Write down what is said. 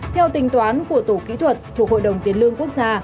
theo tình toán của tổ kỹ thuật thuộc hội đồng tiến lương quốc gia